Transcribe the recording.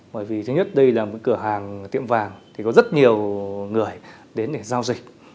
bởi vì thứ nhất đây là một cửa hàng tiệm vàng thì có rất nhiều người đến để giao dịch